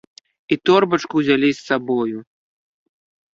І торбачку ўзялі з сабою.